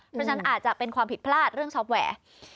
เพราะฉะนั้นอาจจะเป็นความผิดพลาดเรื่องช็อปแหว